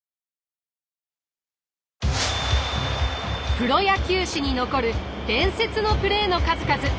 プロ野球史に残る伝説のプレーの数々。